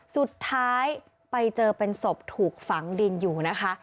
สุดท้ายไปเจอเป็นศพถูกฝังดินอยู่นะคะ